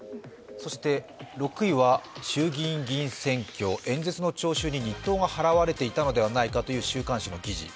そして６位は衆議院議員選挙、演説の聴衆に日当が払われていたのではないかという週刊誌の記事。